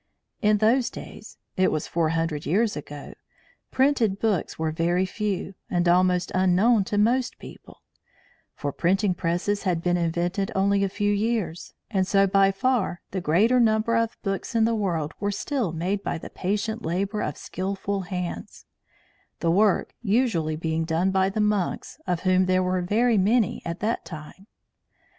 In those days, it was four hundred years ago, printed books were very few, and almost unknown to most people; for printing presses had been invented only a few years, and so by far the greater number of books in the world were still made by the patient labour of skilful hands; the work usually being done by the monks, of whom there were very many at that time.